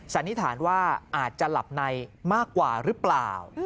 สันนิษฐานว่าอาจจะหลับในมากกว่าหรือเปล่า